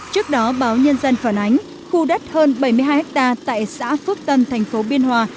trước đó báo nhân dân phản ánh khu đất hơn bảy mươi hai hectare tại xã phước tân thành phố biên hòa